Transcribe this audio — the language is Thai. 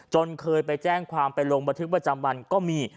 เคยไปแจ้งความไปลงบันทึกประจำวันก็มี